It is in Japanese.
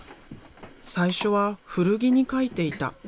最初は古着に描いていた。